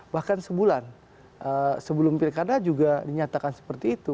bahkan sebulan sebelum pilkada juga dinyatakan seperti itu